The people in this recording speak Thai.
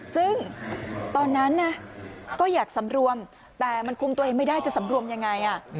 ซึ่งตอนนั้นนะก็อยากสำรวมแต่มันคุมตัวเองไม่ได้จะสำรวมยังไง